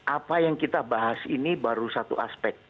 apa yang kita bahas ini baru satu aspek